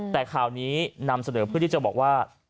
แต่ข่าวนี้นำเสนอเพื่อที่จะบอกว่า